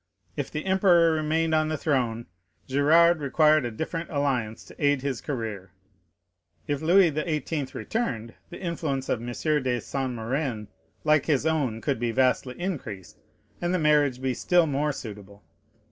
If the emperor remained on the throne, Gérard required a different alliance to aid his career; if Louis XVIII. returned, the influence of M. de Saint Méran, like his own, could be vastly increased, and the marriage be still more suitable.